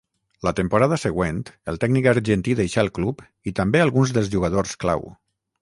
La temporada següent el tècnic argentí deixà el club i també alguns dels jugadors clau.